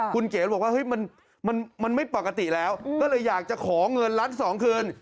คุณเก๋บอกว่ามันไม่ปกติแล้วก็เลยอยากจะขอเงินล้านสองคืน